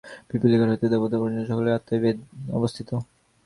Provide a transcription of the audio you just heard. পিপীলিকা হইতে দেবতা পর্যন্ত সকলেরই আত্মায় বেদ অবস্থিত।